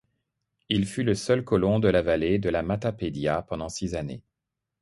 Il fut le seul colon de la vallée de la Matapédia pendant six années.